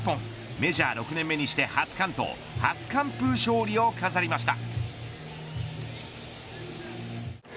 メジャー６年目にして初完投初完封勝利を飾りました。